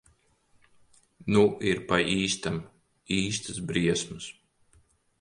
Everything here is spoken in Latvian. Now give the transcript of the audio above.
Nu ir pa īstam. Īstas briesmas.